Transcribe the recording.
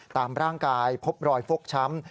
ตามร่างกายพบรอยฟกช้ำ